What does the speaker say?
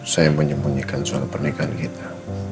saya menyembunyikan soal pernikahan kita